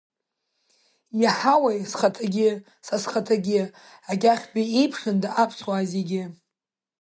Иаҳауеи, сҭахахгьы са схаҭагьы, акьахьба иеиԥшында аԥсуаа зегьы!